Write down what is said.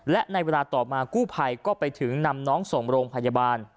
และในเวลาต่อมากู้ภัยก็ไปถึงนำน้องส่งโรงพยาบาล